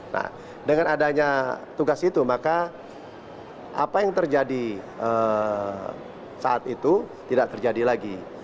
nah dengan adanya tugas itu maka apa yang terjadi saat itu tidak terjadi lagi